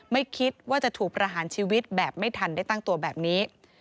ไม่คิดว่าจะถูกประหารชีวิตแบบไม่ทันได้ตั้งตัวแบบนี้